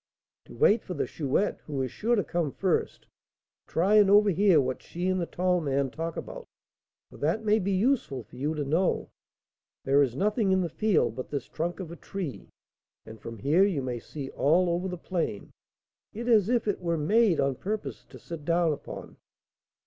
"To wait for the Chouette, who is sure to come first; to try and overhear what she and the tall man talk about, for that may be useful for you to know. There is nothing in the field but this trunk of a tree, and from here you may see all over the plain; it is as if it were made on purpose to sit down upon.